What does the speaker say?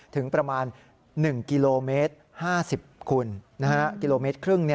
ถึงประมาณ๑กิโลเมตร๕๐คุณกิโลเมตรครึ่ง